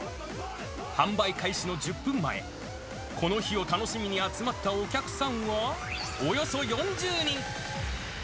販売開始の１０分前、この日を楽しみに集まったお客さんは、およそ４０人。